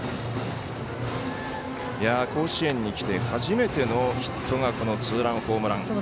甲子園に来て初めてのヒットがこのツーランホームラン。